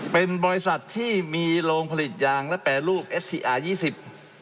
เป็นบริษัทที่มีโรงผลิตยางและแปรรูปเอสทีอายี่สิบ